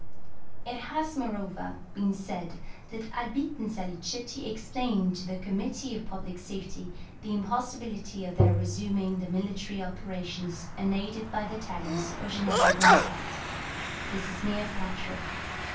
] It has, moreover, been said that Albitte and Salicetti explained to the Committee of Public Safety the impossibility of their resuming the military operations unaided by the talents of General Bonaparte. This is mere flattery.